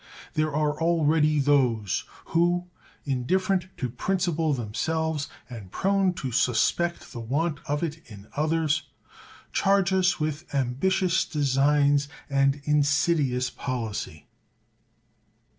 There are already those who, indifferent to principle themselves and prone to suspect the want of it in others, charge us with ambitious designs and insidious policy.